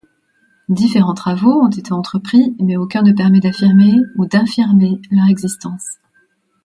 Différents travaux ont été entrepris mais aucun ne permet d'affirmer ou d'infirmer leur existence.